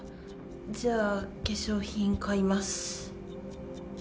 じゃあ、化粧品、買います。